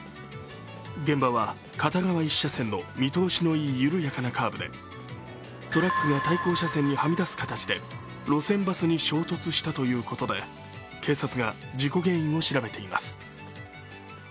現場は片側１車線の見通しのいい緩やかなカーブでトラックが対向車線にはみ出す形で路線バスに衝突したということで警察が事故原因を調べています。